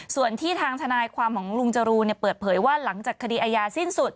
ส่วนที่ทางทนายความของลุงจรูนเปิดเผยว่าหลังจากคดีอาญาสิ้นสุด